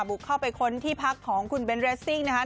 บุกเข้าไปค้นที่พักของคุณเบนเรสซิ่งนะคะ